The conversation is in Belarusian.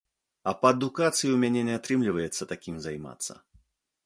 А па адукацыі ў мяне не атрымліваецца такім займацца.